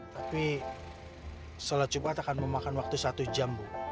tapi sholat jumat akan memakan waktu satu jam bu